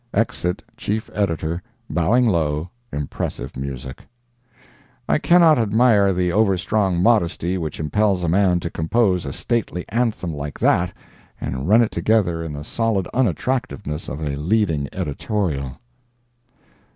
[Exit Chief Editor, bowing low—impressive music.] I cannot admire the overstrong modesty which impels a man to compose a stately anthem like that and run it together in the solid unattractiveness of a leading editorial.